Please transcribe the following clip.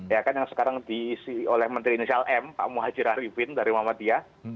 ya kan yang sekarang diisi oleh menteri inisial m pak muhajir arifin dari muhammadiyah